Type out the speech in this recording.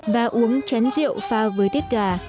và uống chén rượu pha với tiết kiệm